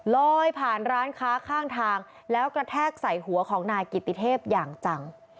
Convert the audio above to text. ลอยผ่านร้านค้าข้างทางแล้วกระแทกใส่หัวของนายกิติเทพอย่างจัง